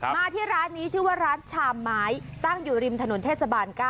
มาที่ร้านนี้ชื่อว่าร้านชามไม้ตั้งอยู่ริมถนนเทศบาล๙